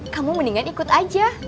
kamu mendingan ikut aja